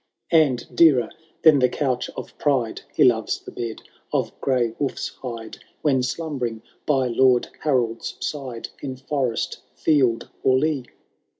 And dearer than the couch of pride He loves the bed of gray wolf's hide, When slumbering by Lord Harold's side In forest, field, or lea.".